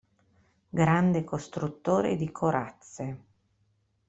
Grande costruttore di corazze.